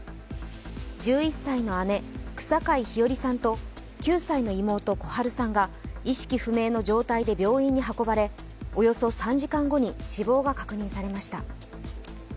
１１歳の姉、草皆陽愛さんと９歳の妹、心陽さんが意識不明の状態で病院に運ばれ、およそ３時間後に死亡が確認されました。